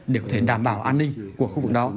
để có thể đảm bảo an ninh của khu vực đó